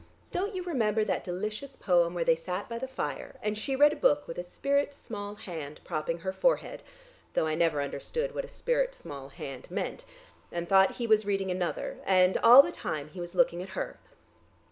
Don't you remember that delicious poem where they sat by the fire and she read a book with a spirit small hand propping her forehead though I never understood what a spirit small hand meant and thought he was reading another, and all the time he was looking at her?"